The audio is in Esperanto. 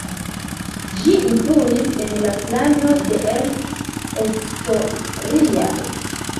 Ĝi influis en la plano de El Escorial.